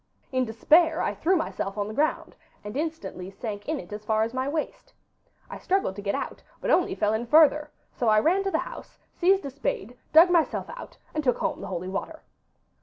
In despair I threw myself on the ground, and instantly sank in it as far as my waist. I struggled to get out, but only fell in further; so I ran to the house, seized a spade, dug myself out, and took home the holy water.